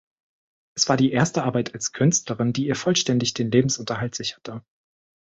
Es war die erste Arbeit als Künstlerin, die ihr vollständig den Lebensunterhalt sicherte.